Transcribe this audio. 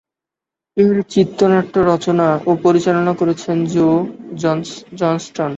এর চিত্রনাট্য রচনা ও পরিচালনা করেছেন জো জনস্টন।